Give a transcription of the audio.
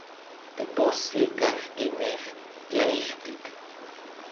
Tepostli kajki nej, tlaijtik.